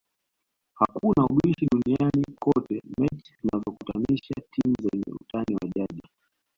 Hakuna ubishi duniani kote mechi zinazokutanisha timu zenye utani wa jadi